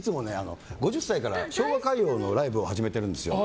５０歳から昭和歌謡のライブを始めてるんです。